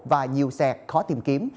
và nhiều xẹt khó tìm kiếm